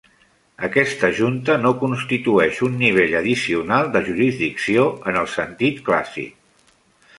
Aquesta junta no constitueix un nivell addicional de jurisdicció en el sentit clàssic.